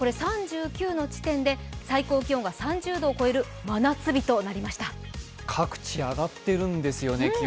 ３９の地点で最高気温が３０度を超える各地、気温が上がっているんですよね。